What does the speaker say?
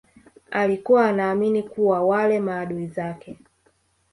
alikuwa anaamini kuwa wale maadui zake